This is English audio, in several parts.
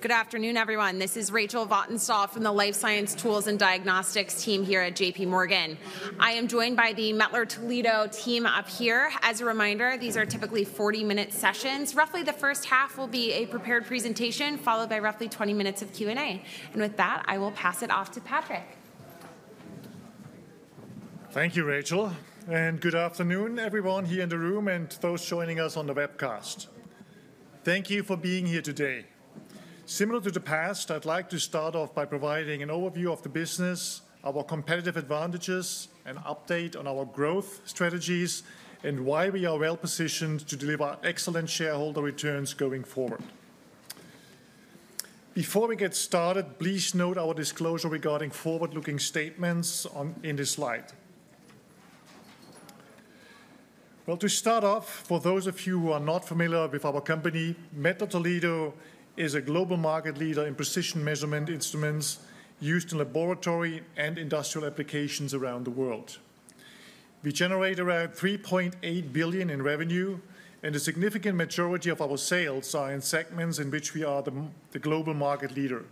Good afternoon, everyone. This is Rachel Vatnsdal from the Life Science Tools and Diagnostics team here at JPMorgan. I am joined by the Mettler-Toledo team up here. As a reminder, these are typically 40-minute sessions. Roughly the first half will be a prepared presentation, followed by roughly 20 minutes of Q&A, and with that, I will pass it off to Patrick. Thank you, Rachel. And good afternoon, everyone here in the room and those joining us on the webcast. Thank you for being here today. Similar to the past, I'd like to start off by providing an overview of the business, our competitive advantages, an update on our growth strategies, and why we are well positioned to deliver excellent shareholder returns going forward. Before we get started, please note our disclosure regarding forward-looking statements in this slide. Well, to start off, for those of you who are not familiar with our company, Mettler-Toledo is a global market leader in precision measurement instruments used in laboratory and industrial applications around the world. We generate around $3.8 billion in revenue, and a significant majority of our sales are in segments in which we are the global market leader.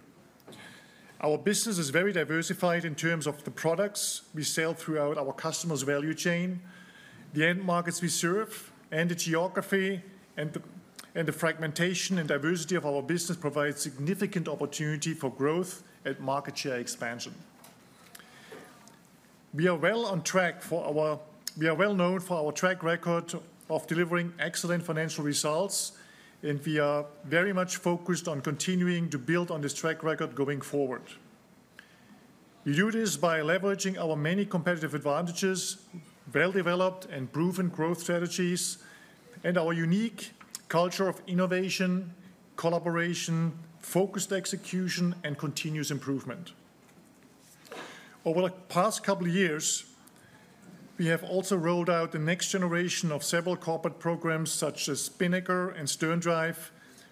Our business is very diversified in terms of the products we sell throughout our customers' value chain, the end markets we serve, and the geography. And the fragmentation and diversity of our business provides significant opportunity for growth and market share expansion. We are well on track. We are well known for our track record of delivering excellent financial results, and we are very much focused on continuing to build on this track record going forward. We do this by leveraging our many competitive advantages, well-developed and proven growth strategies, and our unique culture of innovation, collaboration, focused execution, and continuous improvement. Over the past couple of years, we have also rolled out the next generation of several corporate programs, such as Spinnaker and SternDrive,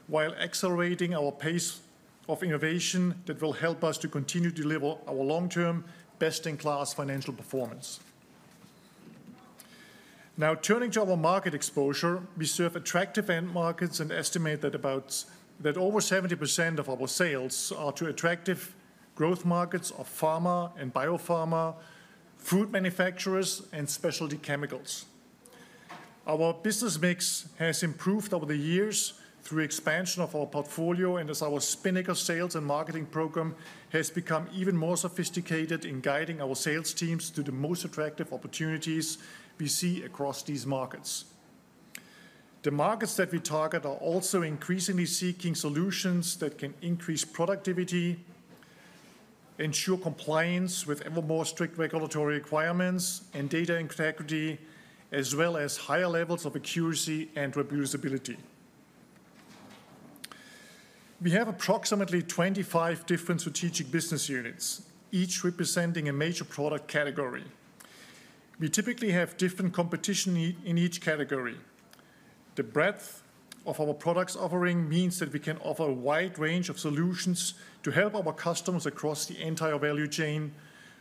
while accelerating our pace of innovation that will help us to continue to deliver our long-term best-in-class financial performance. Now, turning to our market exposure, we serve attractive end markets and estimate that about over 70% of our sales are to attractive growth markets of pharma and biopharma, food manufacturers, and specialty chemicals. Our business mix has improved over the years through expansion of our portfolio, and as our Spinnaker sales and marketing program has become even more sophisticated in guiding our sales teams to the most attractive opportunities we see across these markets. The markets that we target are also increasingly seeking solutions that can increase productivity, ensure compliance with ever more strict regulatory requirements and data integrity, as well as higher levels of accuracy and reproducibility. We have approximately 25 different strategic business units, each representing a major product category. We typically have different competition in each category. The breadth of our products offering means that we can offer a wide range of solutions to help our customers across the entire value chain,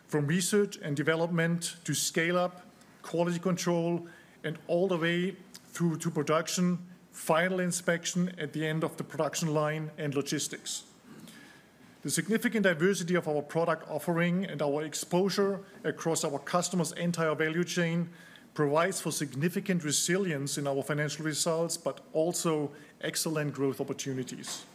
from research and development to scale-up, quality control, and all the way through to production, final inspection at the end of the production line, and logistics. The significant diversity of our product offering and our exposure across our customers' entire value chain provides for significant resilience in our financial results, but also excellent growth opportunities.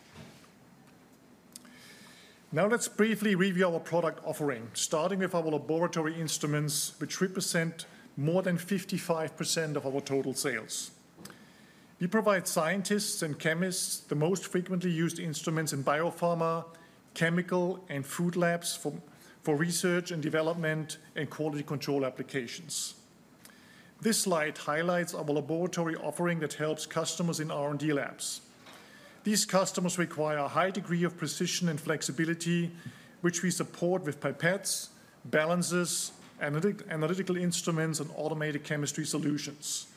Now, let's briefly review our product offering, starting with our laboratory instruments, which represent more than 55% of our total sales. We provide scientists and chemists the most frequently used instruments in biopharma, chemical, and food labs for research and development and quality control applications. This slide highlights our laboratory offering that helps customers in R&D labs. These customers require a high degree of precision and flexibility, which we support with pipettes, balances, Analytical Instruments, and automated chemistry solutions.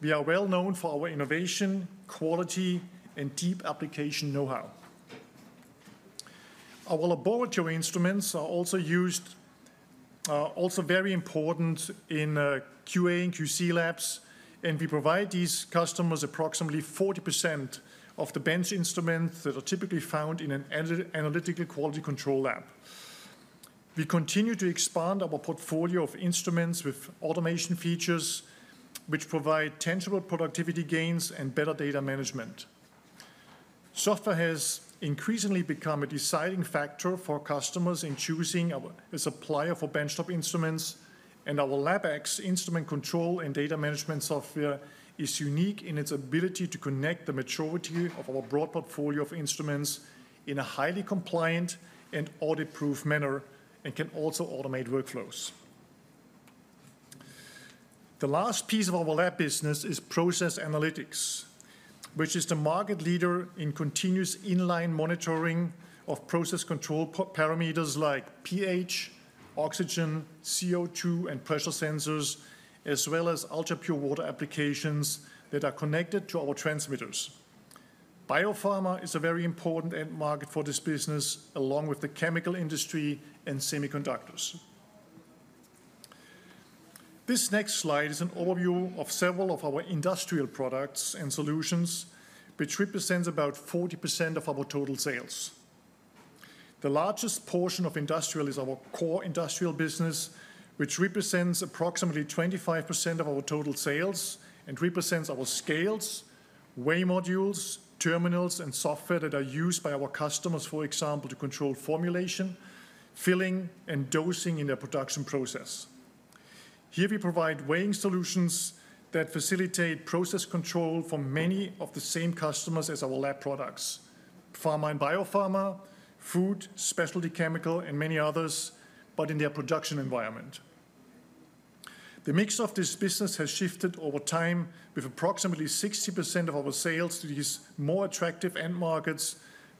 We are well known for our innovation, quality, and deep application know-how. Our laboratory instruments are also used very important in QA and QC labs, and we provide these customers approximately 40% of the bench instruments that are typically found in an analytical quality control lab. We continue to expand our portfolio of instruments with automation features, which provide tangible productivity gains and better data management. Software has increasingly become a deciding factor for customers in choosing a supplier for benchtop instruments, and our LabX instrument control and data management software is unique in its ability to connect the majority of our broad portfolio of instruments in a highly compliant and audit-proof manner and can also automate workflows. The last piece of our lab business is Process Analytics, which is the market leader in continuous in-line monitoring of process control parameters like pH, oxygen, CO2, and pressure sensors, as well as ultrapure water applications that are connected to our transmitters. Biopharma is a very important end market for this business, along with the chemical industry and semiconductors. This next slide is an overview of several of our industrial products and solutions, which represents about 40% of our total sales. The largest portion of industrial is our Core Industrial business, which represents approximately 25% of our total sales and represents our scales, weigh modules, terminals, and software that are used by our customers, for example, to control formulation, filling, and dosing in their production process. Here, we provide weighing solutions that facilitate process control for many of the same customers as our lab products: pharma and biopharma, food, specialty chemical, and many others, but in their production environment. The mix of this business has shifted over time with approximately 60% of our sales to these more attractive end markets,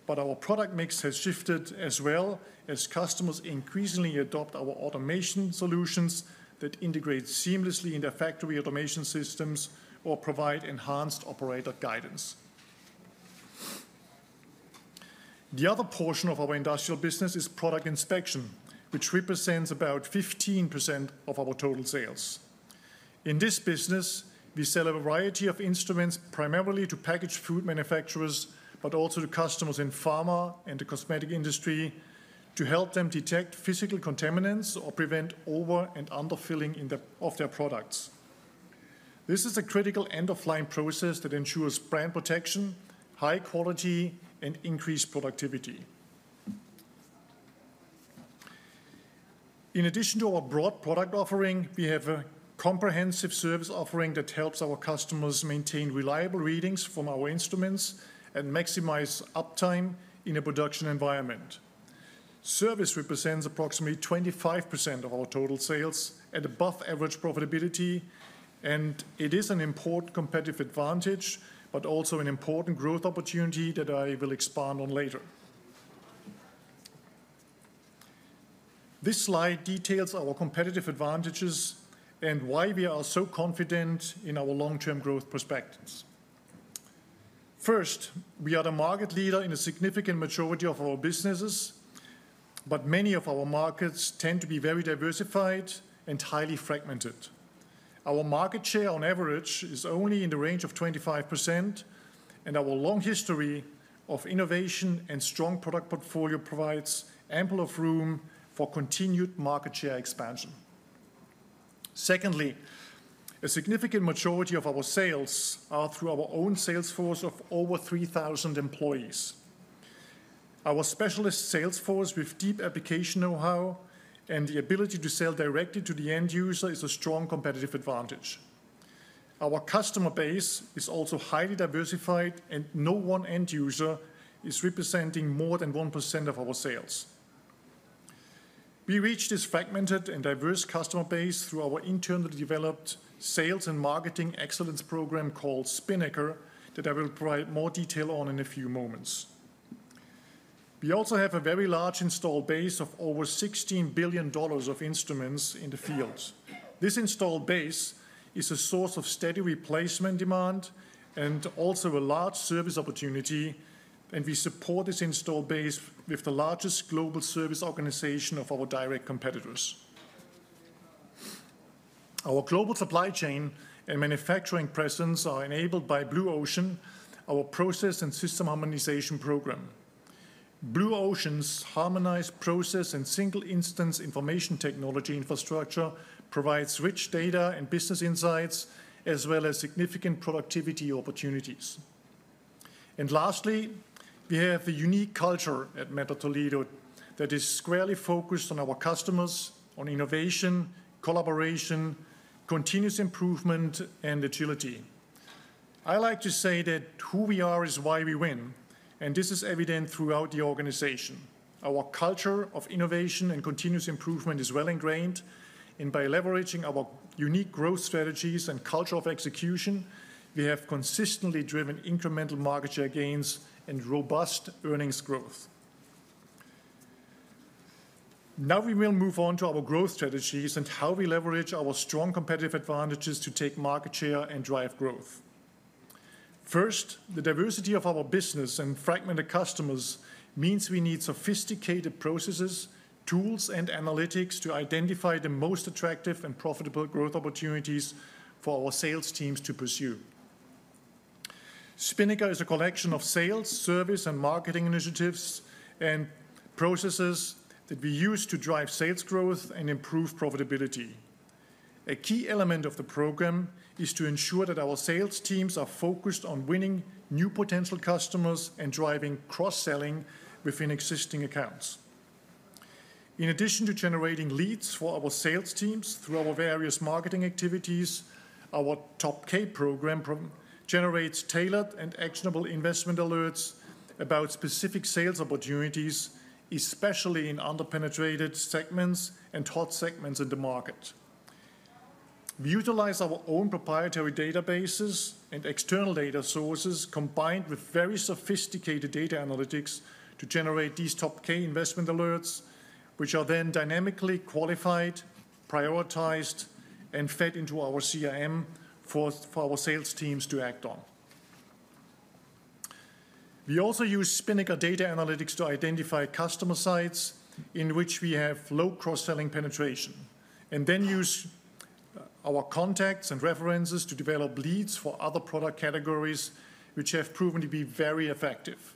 but our product mix has shifted as well as customers increasingly adopt our automation solutions that integrate seamlessly into factory automation systems or provide enhanced operator guidance. The other portion of our industrial business is Product Inspection, which represents about 15% of our total sales. In this business, we sell a variety of instruments primarily to packaged food manufacturers, but also to customers in pharma and the cosmetic industry to help them detect physical contaminants or prevent over and underfilling of their products. This is a critical end-of-line process that ensures brand protection, high quality, and increased productivity. In addition to our broad product offering, we have a comprehensive service offering that helps our customers maintain reliable readings from our instruments and maximize uptime in a production environment. Service represents approximately 25% of our total sales and above-average profitability, and it is an important competitive advantage, but also an important growth opportunity that I will expand on later. This slide details our competitive advantages and why we are so confident in our long-term growth perspectives. First, we are the market leader in a significant majority of our businesses, but many of our markets tend to be very diversified and highly fragmented. Our market share, on average, is only in the range of 25%, and our long history of innovation and strong product portfolio provides ample room for continued market share expansion. Secondly, a significant majority of our sales are through our own sales force of over 3,000 employees. Our specialist sales force with deep application know-how and the ability to sell directly to the end user is a strong competitive advantage. Our customer base is also highly diversified, and no one end user is representing more than 1% of our sales. We reach this fragmented and diverse customer base through our internally developed sales and marketing excellence program called Spinnaker that I will provide more detail on in a few moments. We also have a very large installed base of over $16 billion of instruments in the field. This installed base is a source of steady replacement demand and also a large service opportunity, and we support this installed base with the largest global service organization of our direct competitors. Our global supply chain and manufacturing presence are enabled by Blue Ocean, our process and system harmonization program. Blue Ocean's harmonized process and single-instance information technology infrastructure provides rich data and business insights, as well as significant productivity opportunities, and lastly, we have a unique culture at Mettler-Toledo that is squarely focused on our customers, on innovation, collaboration, continuous improvement, and agility. I like to say that who we are is why we win, and this is evident throughout the organization. Our culture of innovation and continuous improvement is well ingrained, and by leveraging our unique growth strategies and culture of execution, we have consistently driven incremental market share gains and robust earnings growth. Now we will move on to our growth strategies and how we leverage our strong competitive advantages to take market share and drive growth. First, the diversity of our business and fragmented customers means we need sophisticated processes, tools, and analytics to identify the most attractive and profitable growth opportunities for our sales teams to pursue. Spinnaker is a collection of sales, service, and marketing initiatives and processes that we use to drive sales growth and improve profitability. A key element of the program is to ensure that our sales teams are focused on winning new potential customers and driving cross-selling within existing accounts. In addition to generating leads for our sales teams through our various marketing activities, our Top-K program generates tailored and actionable investment alerts about specific sales opportunities, especially in under-penetrated segments and hot segments in the market. We utilize our own proprietary databases and external data sources combined with very sophisticated data analytics to generate these Top-K investment alerts, which are then dynamically qualified, prioritized, and fed into our CRM for our sales teams to act on. We also use Spinnaker data analytics to identify customer sites in which we have low cross-selling penetration, and then use our contacts and references to develop leads for other product categories, which have proven to be very effective.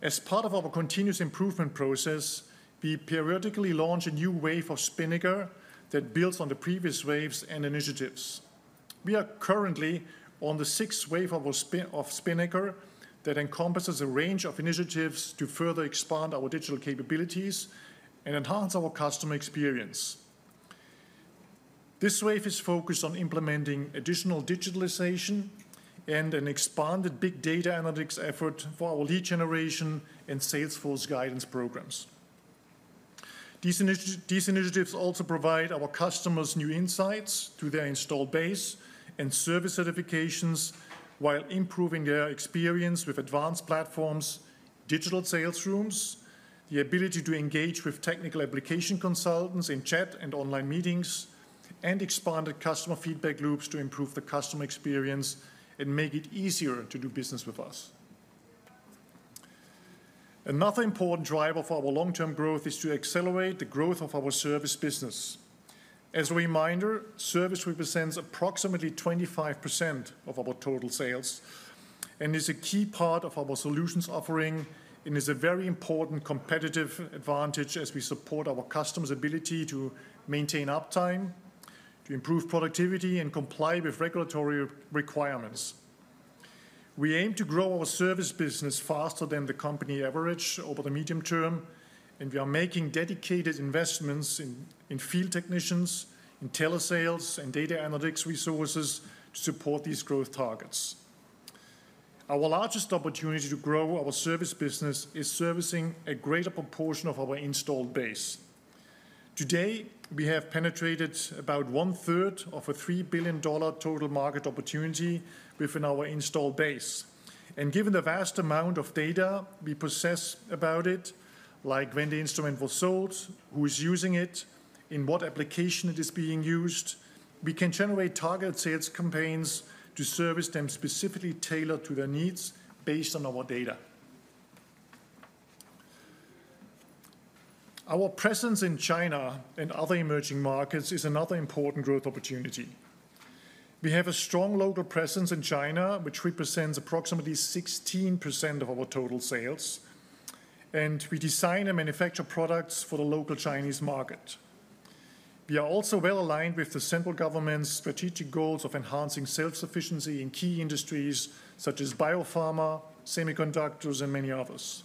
As part of our continuous improvement process, we periodically launch a new wave of Spinnaker that builds on the previous waves and initiatives. We are currently on the sixth wave of Spinnaker that encompasses a range of initiatives to further expand our digital capabilities and enhance our customer experience. This wave is focused on implementing additional digitalization and an expanded big data analytics effort for our lead generation and sales force guidance programs. These initiatives also provide our customers new insights to their installed base and service certifications while improving their experience with advanced platforms, digital sales rooms, the ability to engage with technical application consultants in chat and online meetings, and expanded customer feedback loops to improve the customer experience and make it easier to do business with us. Another important driver for our long-term growth is to accelerate the growth of our service business. As a reminder, service represents approximately 25% of our total sales and is a key part of our solutions offering and is a very important competitive advantage as we support our customers' ability to maintain uptime, to improve productivity, and comply with regulatory requirements. We aim to grow our service business faster than the company average over the medium term, and we are making dedicated investments in field technicians, in telesales, and data analytics resources to support these growth targets. Our largest opportunity to grow our service business is servicing a greater proportion of our installed base. Today, we have penetrated about one-third of a $3 billion total market opportunity within our installed base, and given the vast amount of data we possess about it, like when the instrument was sold, who is using it, in what application it is being used, we can generate targeted sales campaigns to service them specifically tailored to their needs based on our data. Our presence in China and other emerging markets is another important growth opportunity. We have a strong local presence in China, which represents approximately 16% of our total sales, and we design and manufacture products for the local Chinese market. We are also well aligned with the central government's strategic goals of enhancing self-sufficiency in key industries such as biopharma, semiconductors, and many others.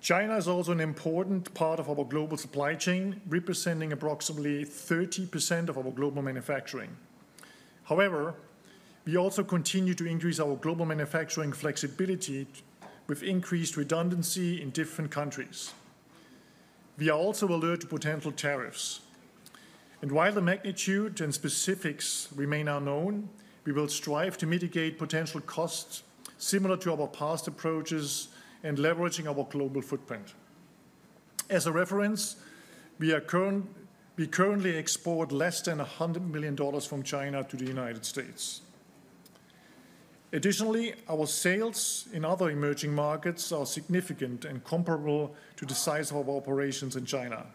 China is also an important part of our global supply chain, representing approximately 30% of our global manufacturing. However, we also continue to increase our global manufacturing flexibility with increased redundancy in different countries. We are also alert to potential tariffs, and while the magnitude and specifics remain unknown, we will strive to mitigate potential costs similar to our past approaches and leveraging our global footprint. As a reference, we currently export less than $100 million from China to the United States. Additionally, our sales in other emerging markets are significant and comparable to the size of our operations in China.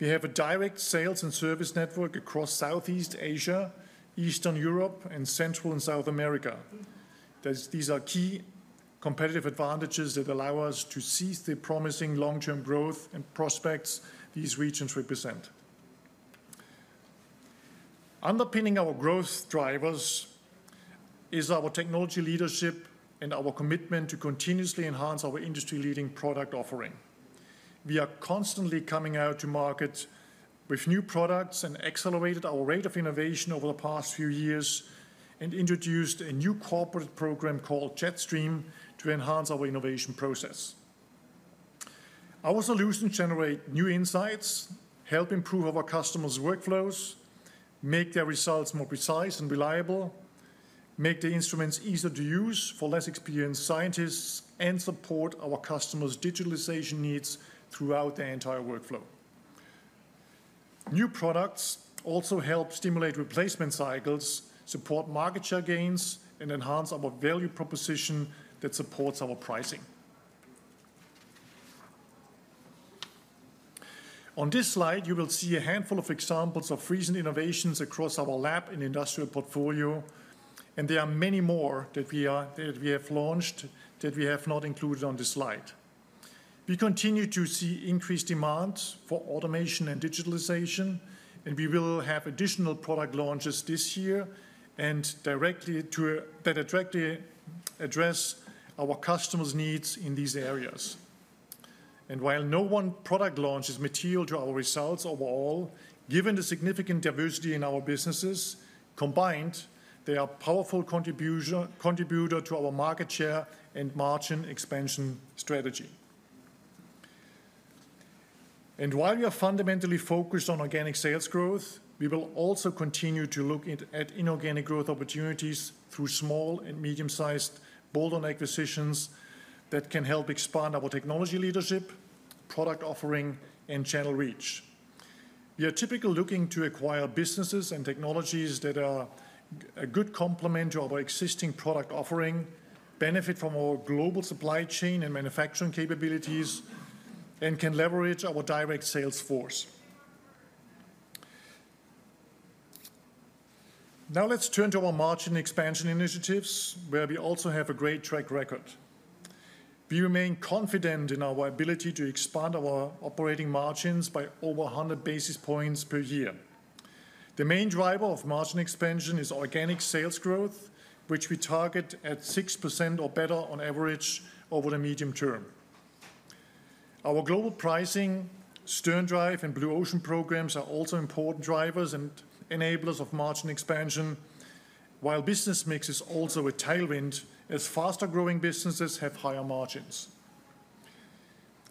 We have a direct sales and service network across Southeast Asia, Eastern Europe, and Central and South America. These are key competitive advantages that allow us to seize the promising long-term growth and prospects these regions represent. Underpinning our growth drivers is our technology leadership and our commitment to continuously enhance our industry-leading product offering. We are constantly coming out to market with new products and accelerated our rate of innovation over the past few years and introduced a new corporate program called JetStream to enhance our innovation process. Our solutions generate new insights, help improve our customers' workflows, make their results more precise and reliable, make the instruments easier to use for less experienced scientists, and support our customers' digitalization needs throughout the entire workflow. New products also help stimulate replacement cycles, support market share gains, and enhance our value proposition that supports our pricing. On this slide, you will see a handful of examples of recent innovations across our lab and industrial portfolio, and there are many more that we have launched that we have not included on this slide. We continue to see increased demand for automation and digitalization, and we will have additional product launches this year that directly address our customers' needs in these areas, and while no one product launch is material to our results overall, given the significant diversity in our businesses combined, they are a powerful contributor to our market share and margin expansion strategy. And while we are fundamentally focused on organic sales growth, we will also continue to look at inorganic growth opportunities through small and medium-sized bolt-on acquisitions that can help expand our technology leadership, product offering, and channel reach. We are typically looking to acquire businesses and technologies that are a good complement to our existing product offering, benefit from our global supply chain and manufacturing capabilities, and can leverage our direct sales force. Now let's turn to our margin expansion initiatives, where we also have a great track record. We remain confident in our ability to expand our operating margins by over 100 basis points per year. The main driver of margin expansion is organic sales growth, which we target at 6% or better on average over the medium term. Our global pricing, SternDrive, and Blue Ocean programs are also important drivers and enablers of margin expansion, while business mix is also a tailwind as faster-growing businesses have higher margins.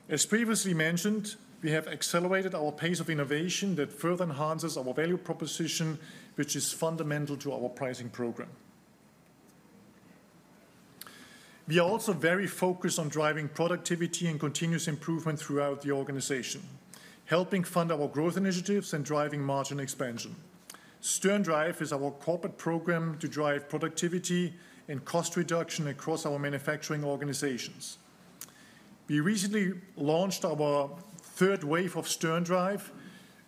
As previously mentioned, we have accelerated our pace of innovation that further enhances our value proposition, which is fundamental to our pricing program. We are also very focused on driving productivity and continuous improvement throughout the organization, helping fund our growth initiatives and driving margin expansion. SternDrive is our corporate program to drive productivity and cost reduction across our manufacturing organizations. We recently launched our third wave of SternDrive,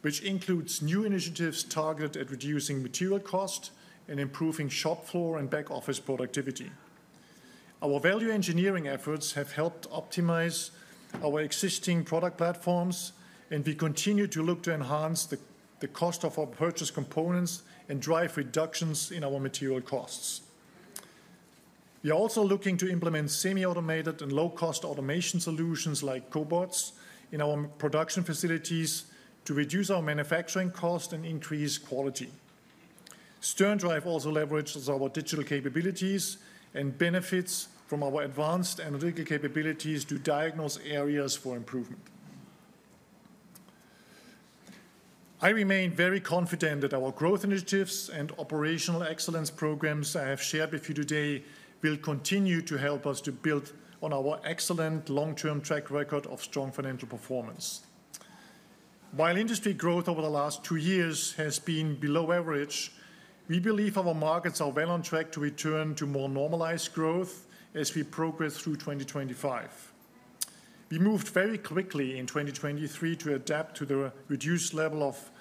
which includes new initiatives targeted at reducing material cost and improving shop floor and back office productivity. Our value engineering efforts have helped optimize our existing product platforms, and we continue to look to enhance the cost of our purchase components and drive reductions in our material costs. We are also looking to implement semi-automated and low-cost automation solutions like cobots in our production facilities to reduce our manufacturing cost and increase quality. SternDrive also leverages our digital capabilities and benefits from our advanced analytical capabilities to diagnose areas for improvement. I remain very confident that our growth initiatives and operational excellence programs I have shared with you today will continue to help us to build on our excellent long-term track record of strong financial performance. While industry growth over the last two years has been below average, we believe our markets are well on track to return to more normalized growth as we progress through 2025. We moved very quickly in 2023 to adapt to the reduced level of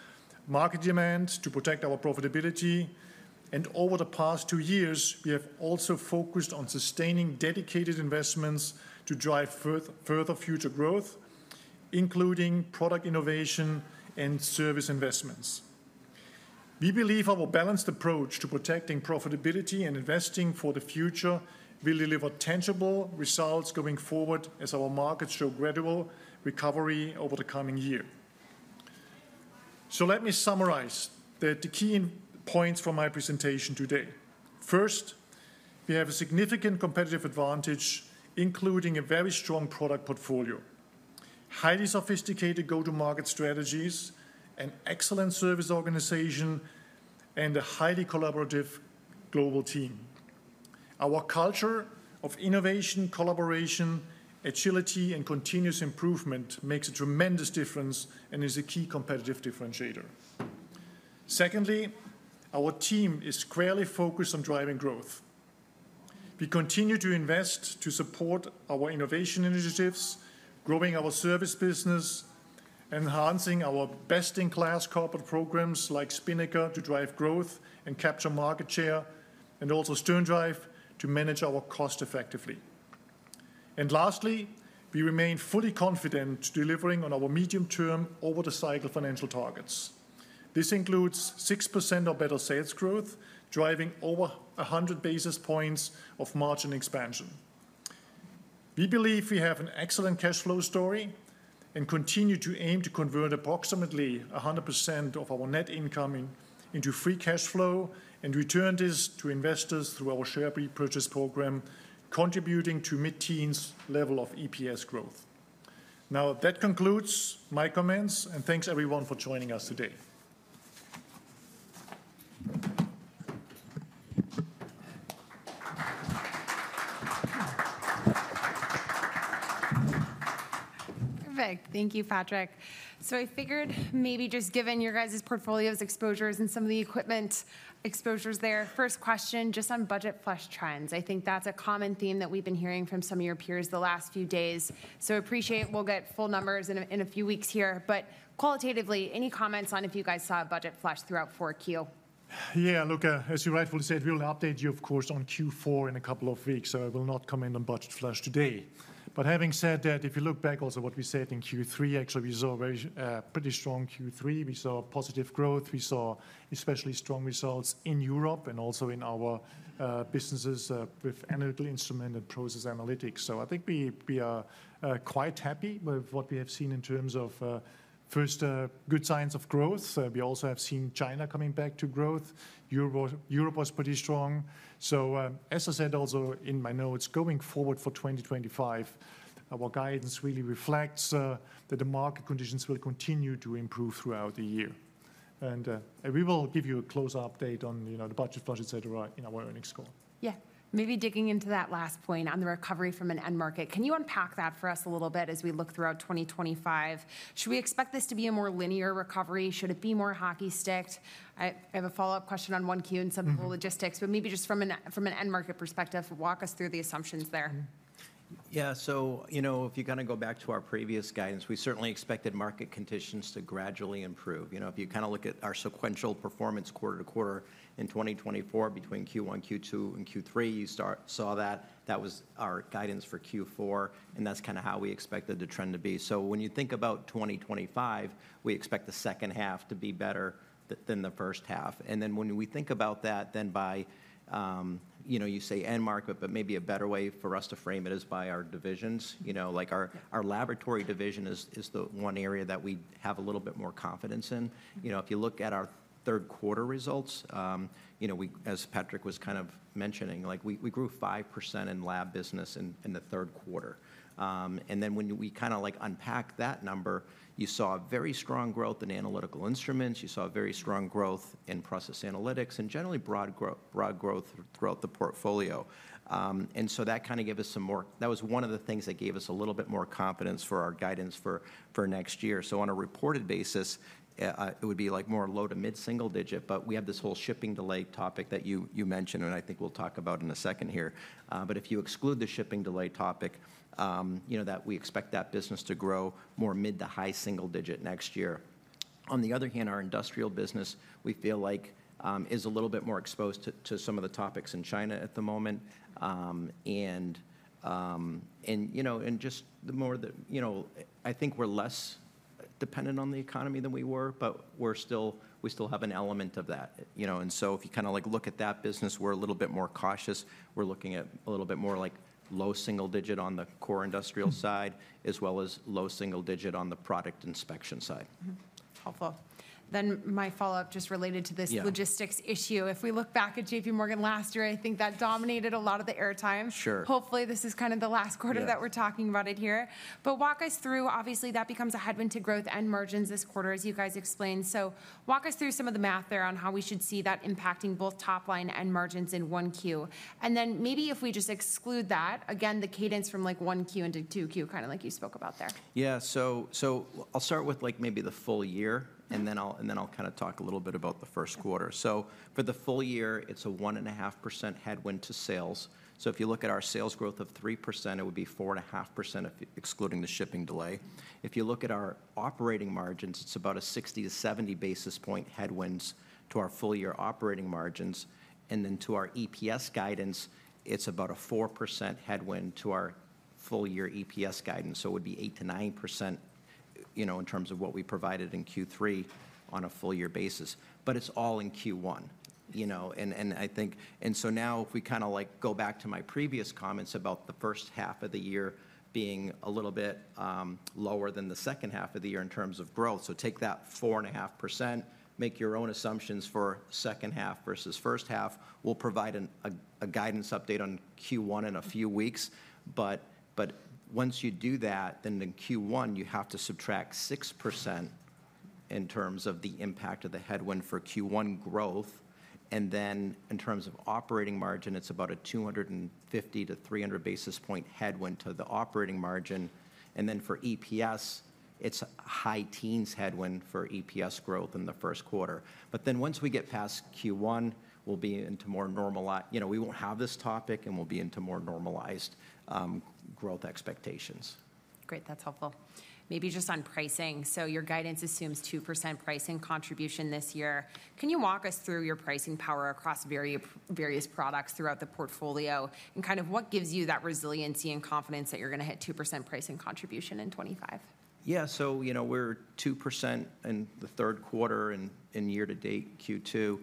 market demand to protect our profitability, and over the past two years, we have also focused on sustaining dedicated investments to drive further future growth, including product innovation and service investments. We believe our balanced approach to protecting profitability and investing for the future will deliver tangible results going forward as our markets show gradual recovery over the coming year. So let me summarize the key points from my presentation today. First, we have a significant competitive advantage, including a very strong product portfolio, highly sophisticated go-to-market strategies, an excellent service organization, and a highly collaborative global team. Our culture of innovation, collaboration, agility, and continuous improvement makes a tremendous difference and is a key competitive differentiator. Secondly, our team is squarely focused on driving growth. We continue to invest to support our innovation initiatives, growing our service business, enhancing our best-in-class corporate programs like Spinnaker to drive growth and capture market share, and also SternDrive to manage our cost effectively. And lastly, we remain fully confident delivering on our medium-term over-the-cycle financial targets. This includes 6% or better sales growth, driving over 100 basis points of margin expansion. We believe we have an excellent cash flow story and continue to aim to convert approximately 100% of our net income into free cash flow and return this to investors through our share repurchase program, contributing to mid-teens level of EPS growth. Now, that concludes my comments, and thanks everyone for joining us today. Perfect. Thank you, Patrick. So I figured maybe just given your guys' portfolios, exposures, and some of the equipment exposures there, first question just on budget flush trends. I think that's a common theme that we've been hearing from some of your peers the last few days. So I appreciate we'll get full numbers in a few weeks here, but qualitatively, any comments on if you guys saw a budget flush throughout Q4? Yeah, look, as you rightfully said, we'll update you, of course, on Q4 in a couple of weeks, so I will not comment on budget flush today, but having said that, if you look back also what we said in Q3, actually, we saw a pretty strong Q3. We saw positive growth. We saw especially strong results in Europe and also in our businesses with Analytical Instruments and Process Analytics, so I think we are quite happy with what we have seen in terms of first good signs of growth. We also have seen China coming back to growth. Europe was pretty strong, so as I said also in my notes, going forward for 2025, our guidance really reflects that the market conditions will continue to improve throughout the year, and we will give you a close update on the budget flush, etc., in our earnings call. Yeah. Maybe digging into that last point on the recovery from an end market, can you unpack that for us a little bit as we look throughout 2025? Should we expect this to be a more linear recovery? Should it be more hockey sticked? I have a follow-up question on Q1 and some of the logistics, but maybe just from an end market perspective, walk us through the assumptions there. Yeah. So if you kind of go back to our previous guidance, we certainly expected market conditions to gradually improve. If you kind of look at our sequential performance quarter to quarter in 2024 between Q1, Q2, and Q3, you saw that that was our guidance for Q4, and that's kind of how we expected the trend to be. So when you think about 2025, we expect the second half to be better than the first half. And then when we think about that, then by, you say end market, but maybe a better way for us to frame it is by our divisions. Like our laboratory division is the one area that we have a little bit more confidence in. If you look at our third quarter results, as Patrick was kind of mentioning, we grew 5% in lab business in the third quarter. Then when we kind of unpack that number, you saw very strong growth in Analytical Instruments. You saw very strong growth in Process Analytics and generally broad growth throughout the portfolio. That kind of gave us some more; that was one of the things that gave us a little bit more confidence for our guidance for next year. On a reported basis, it would be like more low- to mid-single-digit, but we have this whole shipping delay topic that you mentioned, and I think we'll talk about in a second here. If you exclude the shipping delay topic, that we expect that business to grow more mid- to high-single-digit next year. On the other hand, our industrial business, we feel like is a little bit more exposed to some of the topics in China at the moment. Just the more that I think we're less dependent on the economy than we were, but we still have an element of that. So if you kind of look at that business, we're a little bit more cautious. We're looking at a little bit more like low single digit on the Core Industrial side as well as low single digit on the Product Inspection side. Helpful. Then my follow-up just related to this logistics issue. If we look back at JPMorgan last year, I think that dominated a lot of the airtime. Hopefully, this is kind of the last quarter that we're talking about it here. But walk us through, obviously, that becomes a headwind to growth and margins this quarter, as you guys explained. So walk us through some of the math there on how we should see that impacting both top line and margins in Q1. And then maybe if we just exclude that, again, the cadence from Q1 into Q2, kind of like you spoke about there. Yeah. So I'll start with maybe the full year, and then I'll kind of talk a little bit about the first quarter. So for the full year, it's a 1.5% headwind to sales. So if you look at our sales growth of 3%, it would be 4.5% excluding the shipping delay. If you look at our operating margins, it's about a 60 to 70 basis point headwinds to our full year operating margins. And then to our EPS guidance, it's about a 4% headwind to our full year EPS guidance. So it would be 8 to 9% in terms of what we provided in Q3 on a full year basis. But it's all in Q1. And so now if we kind of go back to my previous comments about the first half of the year being a little bit lower than the second half of the year in terms of growth. So take that 4.5%, make your own assumptions for second half versus first half. We'll provide a guidance update on Q1 in a few weeks. But once you do that, then in Q1, you have to subtract 6% in terms of the impact of the headwind for Q1 growth. And then in terms of operating margin, it's about a 250-300 basis point headwind to the operating margin. And then for EPS, it's a high teens headwind for EPS growth in the first quarter. But then once we get past Q1, we'll be into more normalized, we won't have this topic, and we'll be into more normalized growth expectations. Great. That's helpful. Maybe just on pricing. So your guidance assumes 2% pricing contribution this year. Can you walk us through your pricing power across various products throughout the portfolio and kind of what gives you that resiliency and confidence that you're going to hit 2% pricing contribution in 2025? Yeah. So we're 2% in the third quarter and year-to-date, Q2.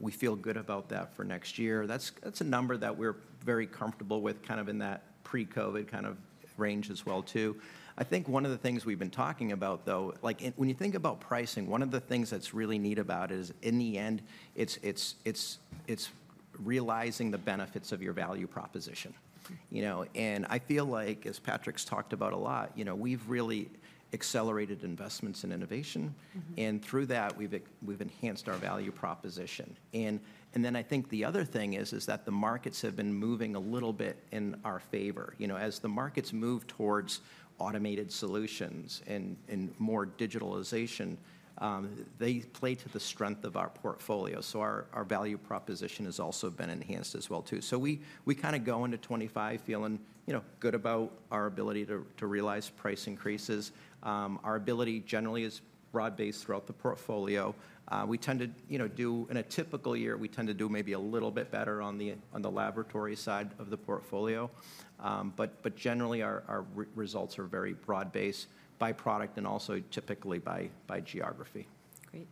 We feel good about that for next year. That's a number that we're very comfortable with, kind of in that pre-COVID kind of range as well, too. I think one of the things we've been talking about, though, when you think about pricing, one of the things that's really neat about it is in the end, it's realizing the benefits of your value proposition. And I feel like, as Patrick's talked about a lot, we've really accelerated investments in innovation. And through that, we've enhanced our value proposition. And then I think the other thing is that the markets have been moving a little bit in our favor. As the markets move towards automated solutions and more digitalization, they play to the strength of our portfolio. So our value proposition has also been enhanced as well, too. We kind of go into 2025 feeling good about our ability to realize price increases. Our ability generally is broad-based throughout the portfolio. We tend to do, in a typical year, we tend to do maybe a little bit better on the laboratory side of the portfolio. But generally, our results are very broad-based by product and also typically by geography. Great.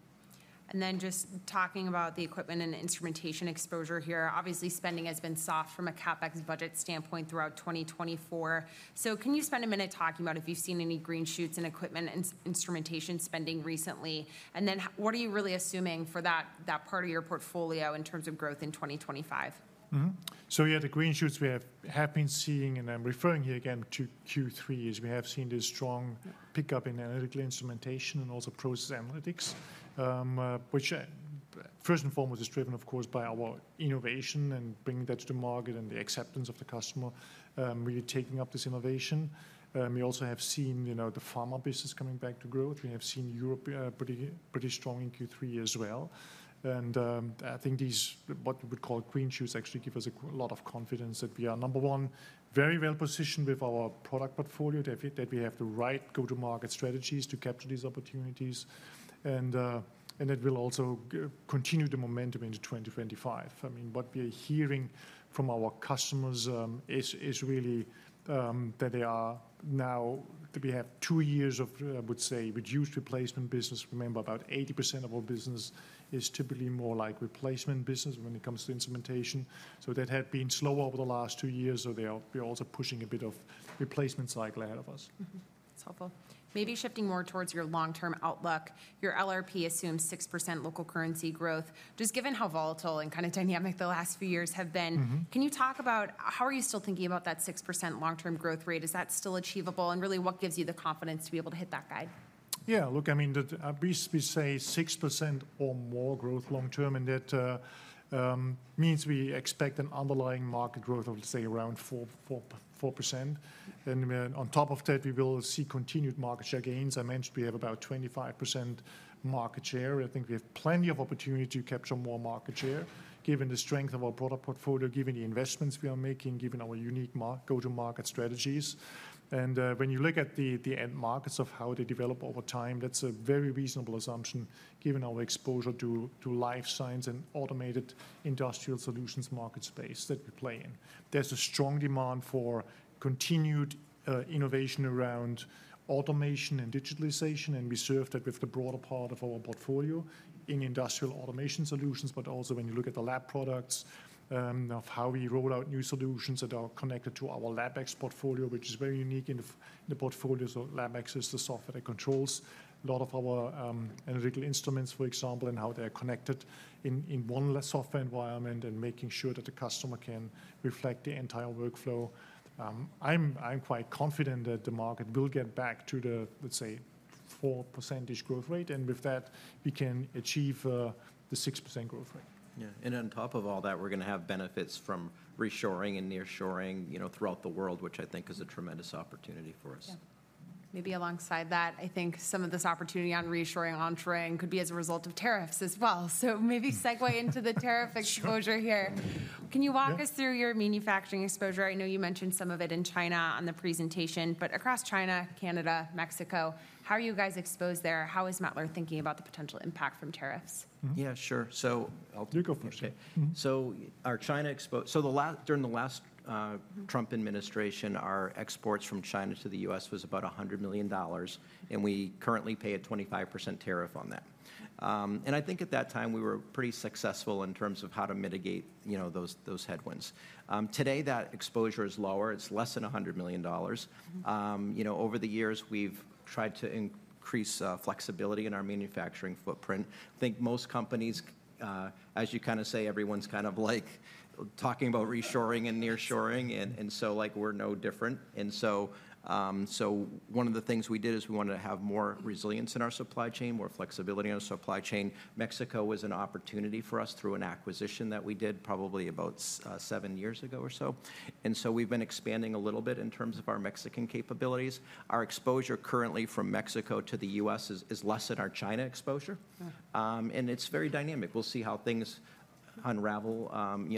And then just talking about the equipment and instrumentation exposure here, obviously, spending has been soft from a CapEx budget standpoint throughout 2024. So can you spend a minute talking about if you've seen any green shoots in equipment and instrumentation spending recently? And then what are you really assuming for that part of your portfolio in terms of growth in 2025? So yeah, the green shoots we have been seeing, and I'm referring here again to Q3, is we have seen this strong pickup in Analytical Instruments and also Process Analytics, which first and foremost is driven, of course, by our innovation and bringing that to the market and the acceptance of the customer, really taking up this innovation. We also have seen the pharma business coming back to growth. We have seen Europe pretty strong in Q3 as well. And I think what we would call green shoots actually give us a lot of confidence that we are, number one, very well positioned with our product portfolio, that we have the right go-to-market strategies to capture these opportunities, and that will also continue the momentum into 2025. I mean, what we are hearing from our customers is really that they are now, that we have two years of, I would say, reduced replacement business. Remember, about 80% of our business is typically more like replacement business when it comes to instrumentation. So we're also pushing a bit of replacement cycle ahead of us. That's helpful. Maybe shifting more towards your long-term outlook, your LRP assumes 6% local currency growth. Just given how volatile and kind of dynamic the last few years have been, can you talk about how are you still thinking about that 6% long-term growth rate? Is that still achievable? And really, what gives you the confidence to be able to hit that guide? Yeah. Look, I mean, we say 6% or more growth long-term, and that means we expect an underlying market growth of, say, around 4%, and on top of that, we will see continued market share gains. I mentioned we have about 25% market share. I think we have plenty of opportunity to capture more market share given the strength of our product portfolio, given the investments we are making, given our unique go-to-market strategies, and when you look at the end markets of how they develop over time, that's a very reasonable assumption given our exposure to life science and automated industrial solutions market space that we play in. There's a strong demand for continued innovation around automation and digitalization, and we serve that with the broader part of our portfolio in industrial automation solutions. But also when you look at the lab products, of how we roll out new solutions that are connected to our LabX portfolio, which is very unique in the portfolio. So LabX is the software that controls a lot of our Analytical Instruments, for example, and how they're connected in one software environment and making sure that the customer can reflect the entire workflow. I'm quite confident that the market will get back to the, let's say, 4% growth rate. And with that, we can achieve the 6% growth rate. Yeah, and on top of all that, we're going to have benefits from reshoring and nearshoring throughout the world, which I think is a tremendous opportunity for us. Yeah. Maybe alongside that, I think some of this opportunity on reshoring, onshoring could be as a result of tariffs as well. So maybe segue into the tariff exposure here. Can you walk us through your manufacturing exposure? I know you mentioned some of it in China on the presentation, but across China, Canada, Mexico, how are you guys exposed there? How is Mettler thinking about the potential impact from tariffs? Yeah, sure. So I'll go first. So during the last Trump administration, our exports from China to the U.S. was about $100 million, and we currently pay a 25% tariff on that. And I think at that time, we were pretty successful in terms of how to mitigate those headwinds. Today, that exposure is lower. It's less than $100 million. Over the years, we've tried to increase flexibility in our manufacturing footprint. I think most companies, as you kind of say, everyone's kind of like talking about reshoring and nearshoring, and so we're no different. And so one of the things we did is we wanted to have more resilience in our supply chain, more flexibility in our supply chain. Mexico was an opportunity for us through an acquisition that we did probably about seven years ago or so. And so we've been expanding a little bit in terms of our Mexican capabilities. Our exposure currently from Mexico to the U.S. is less than our China exposure. And it's very dynamic. We'll see how things unravel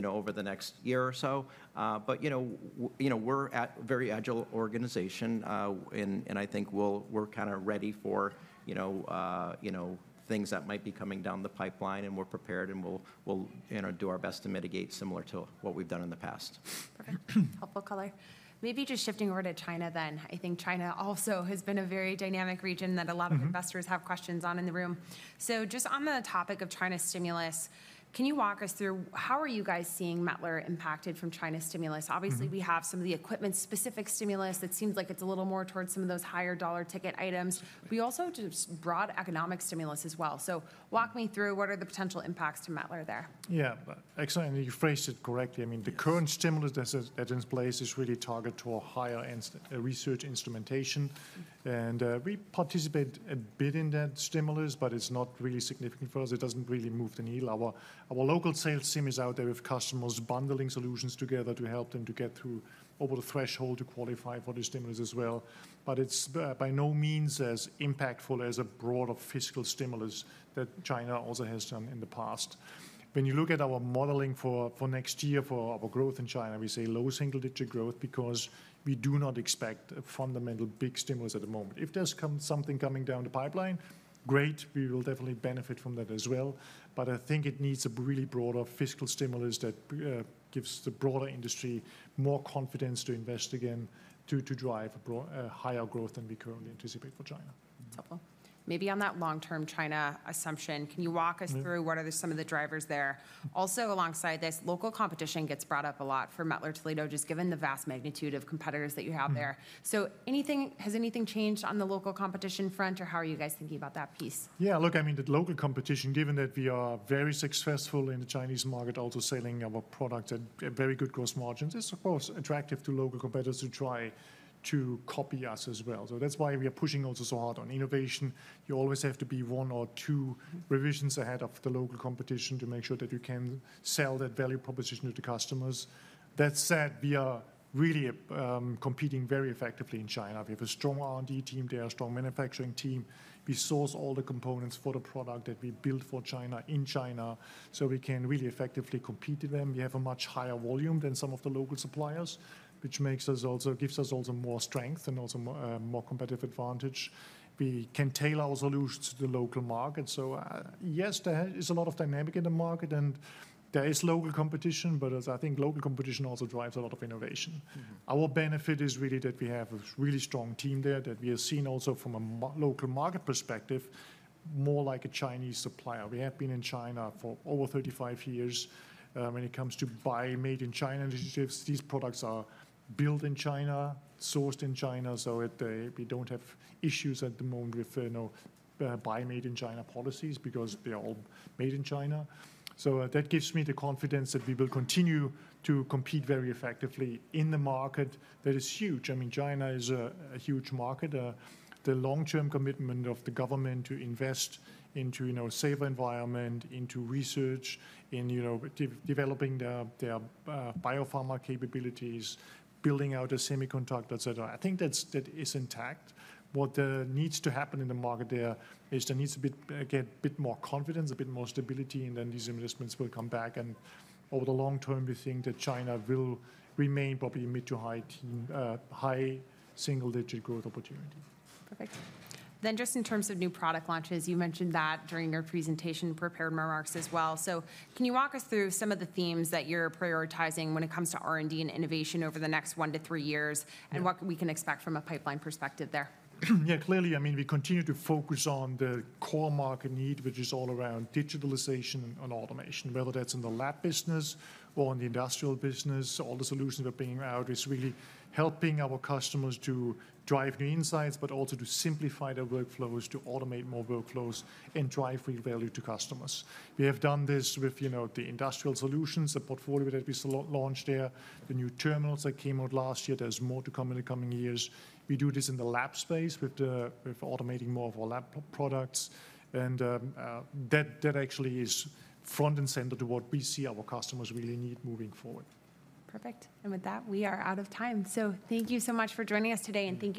over the next year or so. But we're a very agile organization, and I think we're kind of ready for things that might be coming down the pipeline, and we're prepared, and we'll do our best to mitigate similar to what we've done in the past. Perfect. Helpful color. Maybe just shifting over to China then. I think China also has been a very dynamic region that a lot of investors have questions on in the room. So just on the topic of China stimulus, can you walk us through how are you guys seeing Mettler impacted from China stimulus? Obviously, we have some of the equipment-specific stimulus that seems like it's a little more towards some of those higher dollar ticket items. We also have just broad economic stimulus as well. So walk me through what are the potential impacts to Mettler there. Yeah. Excellent. And you phrased it correctly. I mean, the current stimulus that's in place is really targeted to our higher-end research instrumentation. And we participate a bit in that stimulus, but it's not really significant for us. It doesn't really move the needle. Our local sales team is out there with customers bundling solutions together to help them to get through over the threshold to qualify for the stimulus as well. But it's by no means as impactful as a broader fiscal stimulus that China also has done in the past. When you look at our modeling for next year for our growth in China, we say low single-digit growth because we do not expect a fundamental big stimulus at the moment. If there's something coming down the pipeline, great, we will definitely benefit from that as well. But I think it needs a really broader fiscal stimulus that gives the broader industry more confidence to invest again to drive a higher growth than we currently anticipate for China. Helpful. Maybe on that long-term China assumption, can you walk us through what are some of the drivers there? Also, alongside this, local competition gets brought up a lot for Mettler-Toledo, just given the vast magnitude of competitors that you have there. So has anything changed on the local competition front, or how are you guys thinking about that piece? Yeah. Look, I mean, the local competition, given that we are very successful in the Chinese market, also selling our product at very good gross margins, it's, of course, attractive to local competitors to try to copy us as well. So that's why we are pushing also so hard on innovation. You always have to be one or two revisions ahead of the local competition to make sure that you can sell that value proposition to the customers. That said, we are really competing very effectively in China. We have a strong R&D team there, a strong manufacturing team. We source all the components for the product that we build for China in China so we can really effectively compete to them. We have a much higher volume than some of the local suppliers, which also gives us also more strength and also more competitive advantage. We can tailor our solutions to the local market. So yes, there is a lot of dynamics in the market, and there is local competition, but I think local competition also drives a lot of innovation. Our benefit is really that we have a really strong team there that we have seen also from a local market perspective, more like a Chinese supplier. We have been in China for over 35 years. When it comes to buy made in China initiatives, these products are built in China, sourced in China. So we don't have issues at the moment with buy made in China policies because they're all made in China. So that gives me the confidence that we will continue to compete very effectively in the market that is huge. I mean, China is a huge market. The long-term commitment of the government to invest into a safer environment, into research, in developing their biopharma capabilities, building out a semiconductor, et cetera, I think that is intact. What needs to happen in the market there is there needs to get a bit more confidence, a bit more stability, and then these investments will come back. And over the long term, we think that China will remain probably a mid- to high-single-digit growth opportunity. Perfect. Then just in terms of new product launches, you mentioned that during your presentation prepared remarks as well. So can you walk us through some of the themes that you're prioritizing when it comes to R&D and innovation over the next one to three years and what we can expect from a pipeline perspective there? Yeah, clearly, I mean, we continue to focus on the core market need, which is all around digitalization and automation, whether that's in the lab business or in the industrial business. All the solutions we're bringing out is really helping our customers to drive new insights, but also to simplify their workflows, to automate more workflows, and drive real value to customers. We have done this with the industrial solutions, the portfolio that we launched there, the new terminals that came out last year. There's more to come in the coming years. We do this in the lab space with automating more of our lab products, and that actually is front and center to what we see our customers really need moving forward. Perfect. And with that, we are out of time. So thank you so much for joining us today and thank you.